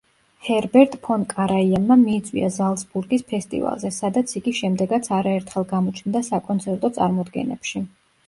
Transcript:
ჰერბერტ ფონ კარაიანმა მიიწვია ზალცბურგის ფესტივალზე, სადაც იგი შემდეგაც არაერთხელ გამოჩნდა საკონცერტო წარმოდგენებში.